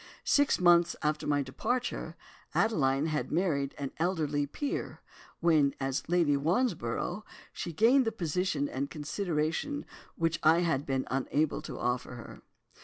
Six months after my departure, Adeline had married an elderly peer, when, as Lady Wandsborough, she gained the position and consideration which I had been unable to offer her.